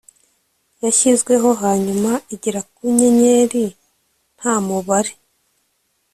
Yashizweho hanyuma igera ku nyenyeri nta mubare